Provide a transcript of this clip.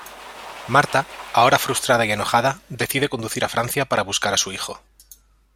Marta, ahora frustrada y enojada, decide conducir a Francia para buscar a su hijo.